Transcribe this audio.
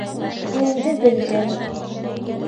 Инде белдең.